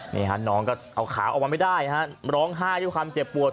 น้องก็เอาขาออกมาไม่ได้ร้องห้าอยู่คำเจ็บปวด